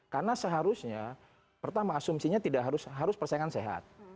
karena seharusnya pertama asumsinya tidak harus persaingan sehat